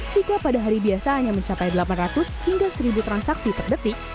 jika pada hari biasa hanya mencapai delapan ratus hingga seribu transaksi per detik